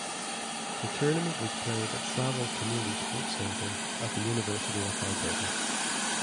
The tournament was played at Saville Community Sports Centre at the University of Alberta.